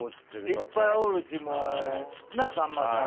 いっぱいおるしもうなっさんまさん